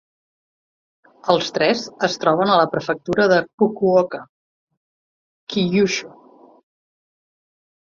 Els tres es troben a la prefectura de Fukuoka, Kyushu.